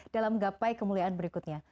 dalam gapai kemuliaan berikutnya